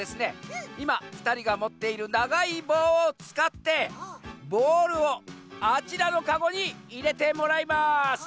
いまふたりがもっているながいぼうをつかってボールをあちらのカゴにいれてもらいます。